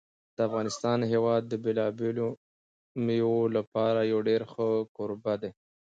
د افغانستان هېواد د بېلابېلو مېوو لپاره یو ډېر ښه کوربه دی.